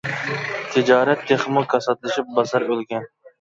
تىجارەت تېخىمۇ كاساتلىشىپ، بازار ئۆلگەن.